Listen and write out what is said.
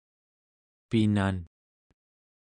pinan